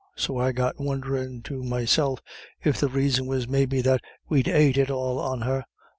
So I got wond'rin' to myself if the raison was maybe that we'd ate it all on her.